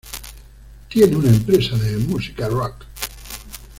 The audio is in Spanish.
Tiene una empresa de música rock.